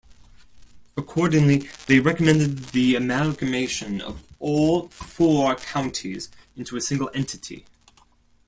Accordingly, they recommended the amalgamation of all four counties into a single entity.